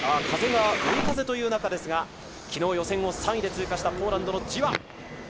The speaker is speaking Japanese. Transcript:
風が追い風という中ですが、昨日予選を３位で通過したポーランドのジワ。